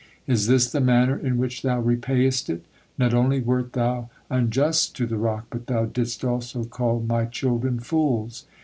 Is this the manner in which thou repayest it? Not only wert thou unjust to the rock, but thou didst also call My children fools.